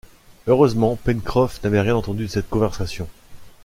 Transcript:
Heureusement, Pencroff n’avait rien entendu de cette conversation